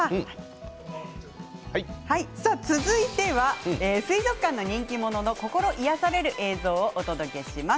続いては水族館の人気者の心癒やされる映像をお届けします。